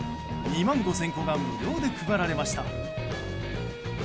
２万５０００個が無料で配られました。